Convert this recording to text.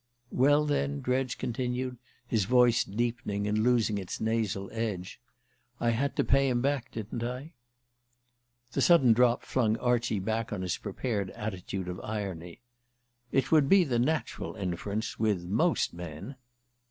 "Well, then," Dredge continued, his voice deepening and losing its nasal edge, "I had to pay him back, didn't I?" The sudden drop flung Archie back on his prepared attitude of irony. "It would be the natural inference with most men."